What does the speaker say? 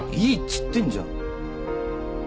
いいっつってんじゃん。